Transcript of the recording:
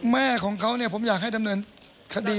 แม่ของเขาเนี่ยผมอยากให้ดำเนินคดี